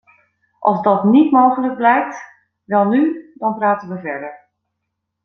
Als dat niet mogelijk blijkt - welnu, dan praten we verder.